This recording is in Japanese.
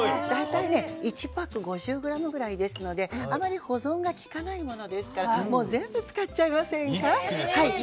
大体ね１パック５０ｇぐらいですのであまり保存がきかないものですからもう全部使っちゃいませんか。